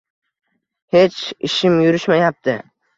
Hech ishim yurishmayapti